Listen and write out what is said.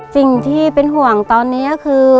สิ่งที่เป็นห่วงตอนนี้ก็คือ